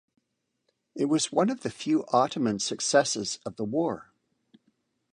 It was one of the few Ottoman successes of the war.